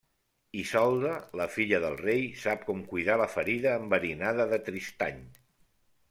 Isolda, la filla del rei, sap com cuidar la ferida enverinada de Tristany.